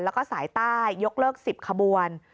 แล้วก็สายใต้ยกเลิก๑๐ขบวน